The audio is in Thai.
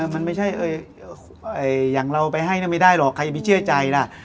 มันไม่ใช่อย่างเราไปให้ไม่ได้หรอกใครจะไปเชื่อใจล่ะ